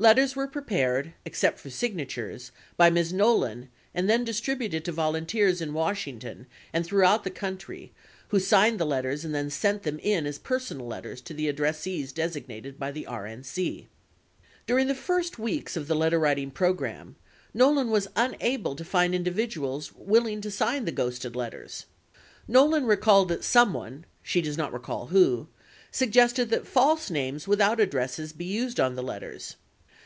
Letters were prepared, except for signatures, by Ms. Nolan and then distrib uted to volunteers in Washington and throughout the country who signed the letters and then sent them in as personal letters to the addressees designated by the RNC. During the first weeks of the letterwriting program, Nolan was unable to find individuals willing to sign the ghosted letters. Nolan recalled that someone (she does not recall who) suggested that false names without addresses be used on the letters.